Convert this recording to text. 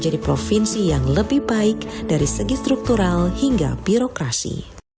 dari struktural hingga birokrasi